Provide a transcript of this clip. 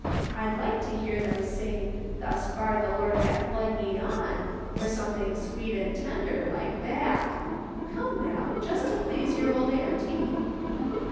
I'd like to hear them sing ' Thus far the Lord hath led me on,' or something s^veet and tender, like that. Come now, just to please your old auntie."